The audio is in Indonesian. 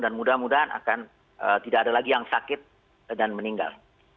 dan mudah mudahan akan tidak ada lagi yang sakit dan meninggal